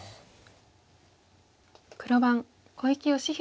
黒番小池芳弘